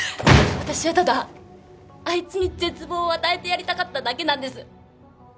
私はただあいつに絶望を与えてやりたかっただけなんです。